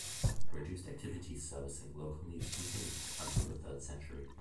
Reduced activity servicing local needs continued until the third century.